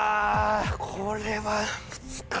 これは難しい。